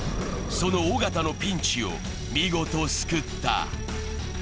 その尾形のピンチを見事、救った。